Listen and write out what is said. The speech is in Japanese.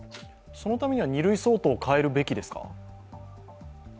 そのためには２類相当を変えるべきですか。